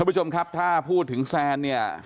คุณผู้ชมครับถ้าพูดถึงแซน